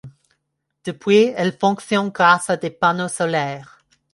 Depuis elle foncyionne grâce a des panneaux solaires.